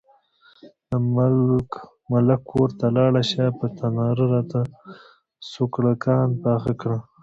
د ملک کور ته لاړه شه، په تناره راته سوکړکان پاخه کړه.